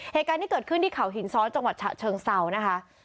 เหตุการณ์ที่เกิดขึ้นที่เขาหินซ้อนจังหวัดฉะเชิงเซานะคะ